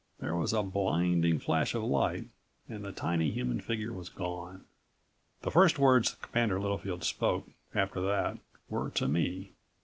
There was a blinding flash of light and the tiny human figure was gone. The first words Commander Littlefield spoke, after that, were to me.